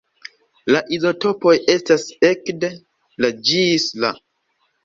La izotopoj estas ekde La ĝis La.